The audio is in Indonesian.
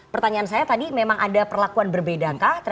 pertanyaan saya tadi memang ada perlakuan berbeda kah